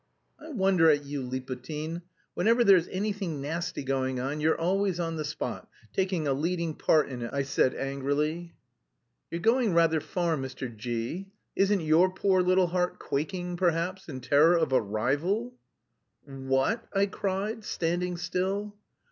"I wonder at you, Liputin; whenever there's anything nasty going on you're always on the spot taking a leading part in it," I said angrily. "You're going rather far, Mr. G v. Isn't your poor little heart quaking, perhaps, in terror of a rival?" "Wha at!" I cried, standing still.